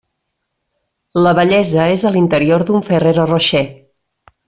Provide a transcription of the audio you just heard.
La bellesa és a l'interior d'un Ferrero Rocher.